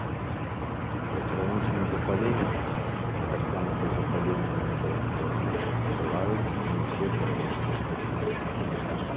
Пры хранічным запаленні, а таксама пры запаленні ўнутраных органаў назіраюцца не ўсе пералічаныя прыкметы.